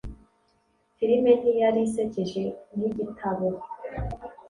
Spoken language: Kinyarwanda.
Filime ntiyari isekeje nkigitabo